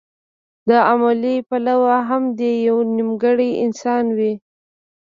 له عملي پلوه هم دی يو نيمګړی انسان وي.